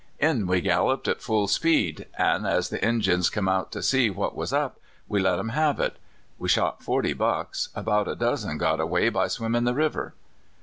In we galloped at full speed, an' as the Injuns come out to see what was up, we let 'em have it. We shot forty bucks; about a dozen got away by swimmin' the river."